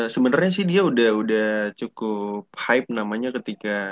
sebenarnya sih dia udah cukup hype namanya ketika